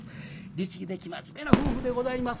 律儀で生真面目な夫婦でございます。